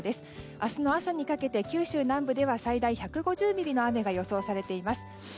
明日の朝にかけて、九州南部では最大１５０ミリの雨が予想されています。